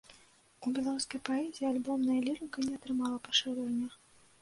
У беларускай паэзіі альбомная лірыка не атрымала пашырэння.